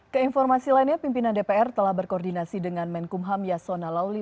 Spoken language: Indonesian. keinformasi lainnya pimpinan dpr telah berkoordinasi dengan menkumham yasona lauli